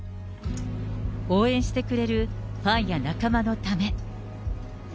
応援してくれるファンや仲間のため。